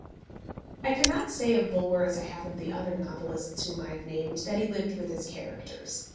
I cannot say of Bulwer as I have of the other novelists whom I have named that he lived with his characters.